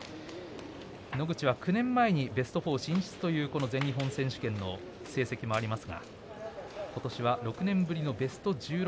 野口は９年前にベスト４進出という全日本選手権の成績もありますが今年は６年ぶりのベスト１６